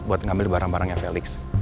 buat ngambil barang barangnya felix